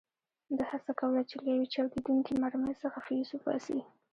ده هڅه کوله چې له یوې چاودېدونکې مرمۍ څخه فیوز وباسي.